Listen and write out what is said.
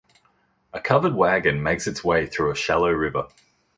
A covered wagon makes its way through a shallow river.